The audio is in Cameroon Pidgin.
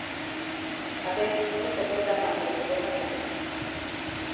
I beg no forget dat ma njamanjama ya.